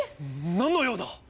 何の用だ！？